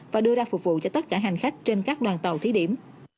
và đưa ra phục vụ cho tất cả hành khách trên các đoàn tàu thí điểm